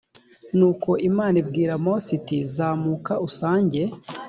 nuko imana ibwira mose iti zamuka usange